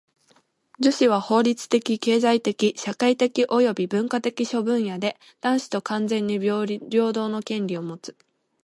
女子は法律的・経済的・社会的および文化的諸分野で男子と完全に平等の権利をもつ。